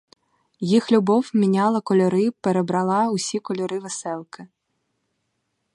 Їх любов міняла кольори, перебрала усі кольори веселки.